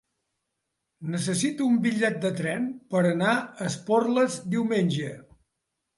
Necessito un bitllet de tren per anar a Esporles diumenge.